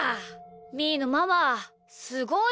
みーのママすごいな。